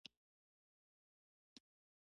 يو غبرګ ځوان وويل.